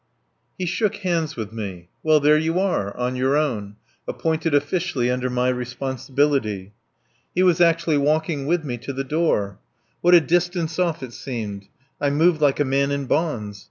II He shook hands with me: "Well, there you are, on your own, appointed officially under my responsibility." He was actually walking with me to the door. What a distance off it seemed! I moved like a man in bonds.